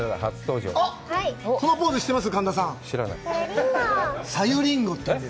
このポーズ、知ってます？